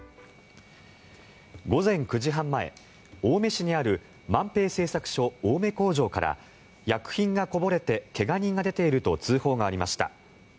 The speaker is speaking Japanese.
午前９時半前、青梅市にある萬平製作所青梅工場から薬品がこぼれて怪我人が出ていると通報がありました。